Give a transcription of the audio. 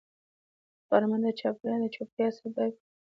غرمه د چاپېریال د چوپتیا سبب وي